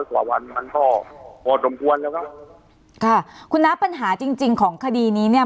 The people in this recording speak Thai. กว่าวันมันก็พอสมควรแล้วครับค่ะคุณน้าปัญหาจริงจริงของคดีนี้เนี่ย